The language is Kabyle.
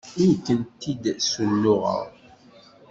Ur kent-id-ssunuɣeɣ.